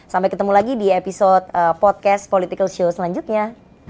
sampai ketemu lagi di episode podcast political show selanjutnya